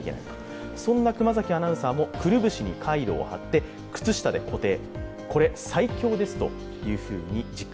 そんな熊崎アナウンサーもくるぶしにカイロを貼って、靴下に固定。